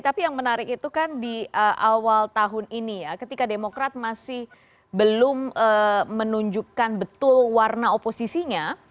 tapi yang menarik itu kan di awal tahun ini ya ketika demokrat masih belum menunjukkan betul warna oposisinya